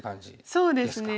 そうですね。